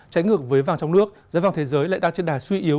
trái ngược với vàng trong nước giá vàng thế giới lại đang trên đà suy yếu